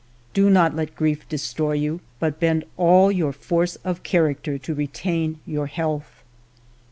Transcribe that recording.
Do not let grief de stroy you, but bend all your force of character to retain your health.